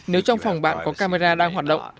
nếu trong phòng bạn có camera đang hoạt động